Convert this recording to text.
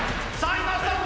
今スタート